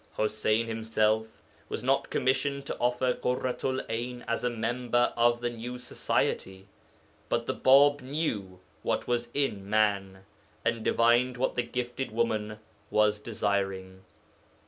Ḥuseyn himself was not commissioned to offer Ḳurratu'l 'Ayn as a member of the new society, but the Bāb 'knew what was in man,' and divined what the gifted woman was desiring.